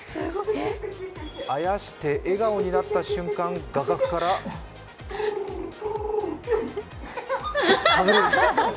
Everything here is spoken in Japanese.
あやして笑顔になった瞬間、画角から外れる！